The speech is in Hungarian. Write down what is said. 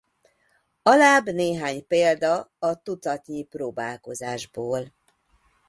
Alább néhány példa a tucatnyi próbálkozásból.